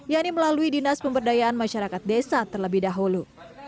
yang ini melalui dinas pemberdayaan masyarakat desa terlebih dahulu